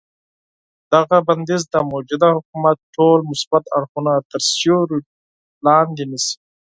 دغه بندیز د موجوده حکومت ټول مثبت اړخونه تر سیوري لاندې نیسي.